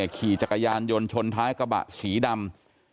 ขี่จักรยานยนต์ชนท้ายกระบะสีดำ